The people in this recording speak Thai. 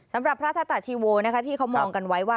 สำหรับพระทัตตาจีโวที่เขามองกันไว้ว่า